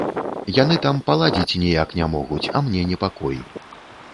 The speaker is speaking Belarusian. Яны там паладзіць ніяк не могуць, а мне непакой.